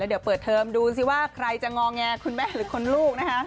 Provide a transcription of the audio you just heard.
เดี๋ยวเปิดเทอมดูสิว่าใครจะงอแงคุณแม่หรือคนลูกนะคะ